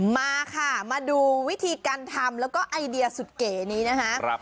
มาค่ะมาดูวิธีการทำแล้วก็ไอเดียสุดเก๋นี้นะคะ